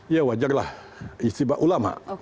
ya wajarlah ijtima ulama